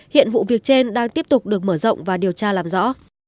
hiện vụ việc trên đang tiếp tục được mở rộng và điều tra làm rõ